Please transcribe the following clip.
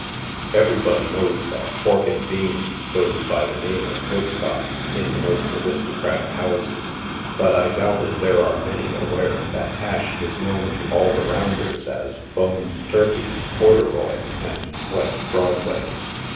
Everybody knows that pork and beans goes by the name of " woodcock" in the most aris tocratic houses, but I doubt if there are many aware that Hash is known to all the rounders as "boned turkey," " corduroy" and " West Broadway."